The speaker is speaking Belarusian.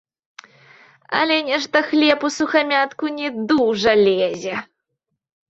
Але нешта хлеб усухамятку не дужа лезе.